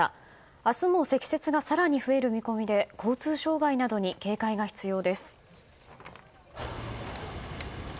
明日も積雪が更に増える見込みで交通障害などに警戒が必要です。